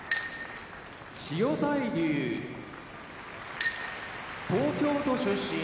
千代大龍東京都出身